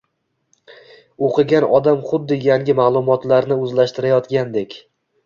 o‘qigan odam xuddi yangi ma’lumotlarni o‘zlashtirayotgandek